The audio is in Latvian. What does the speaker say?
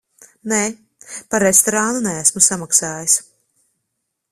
Nē, par restorānu neesmu samaksājis.